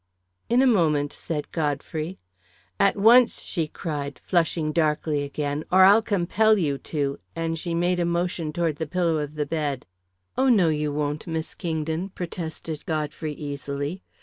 "In a moment," said Godfrey. "At once!" she cried, flushing darkly again. "Or I'll compel you to," and she made a motion toward the pillow of the bed. "Oh, no, you won't, Miss Kingdon," protested Godfrey easily.